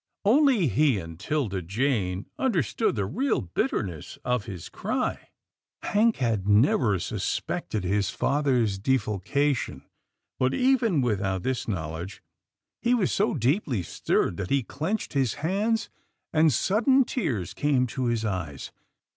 Only he and 'Tilda Jane understood the real bitterness of his cry. Hank had never suspected his father's defalcation, but even without this knowl edge, he was so deeply stirred that he clenched his hands and sudden tears came to his eyes.